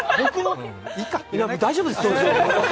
大丈夫です。